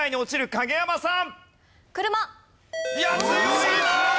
影山さん